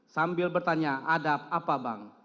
sambil bertanya adab apa bang